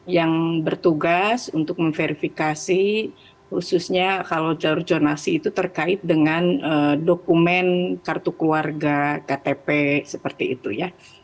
yang bertugas untuk memverifikasi khususnya kalau jalur jonasi itu terkait dengan dokumen kartu keluarga ktp seperti itu ya